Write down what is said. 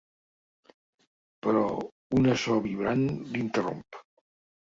Però una so vibrant l'interromp.